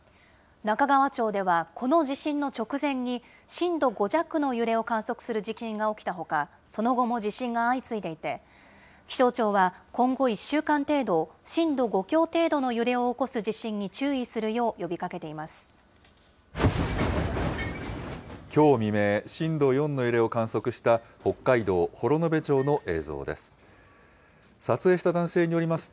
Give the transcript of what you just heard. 中川町ではこの地震の直前に、震度５弱の揺れを観測する地震が起きたほか、その後も地震が相次いでいて、気象庁は、今後１週間程度、震度５強程度の揺れを起こす地震に注意するよう呼びかけてきょう未明、震度４の揺れを観測した北海道幌延町の映像です。